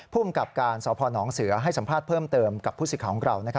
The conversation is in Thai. ภูมิกับการสพนเสือให้สัมภาษณ์เพิ่มเติมกับผู้สิทธิ์ของเรา